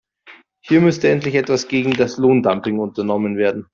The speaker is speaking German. Hier müsste endlich etwas gegen das Lohndumping unternommen werden.